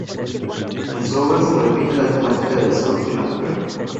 En su obra se repite la temática del sol y la mujer.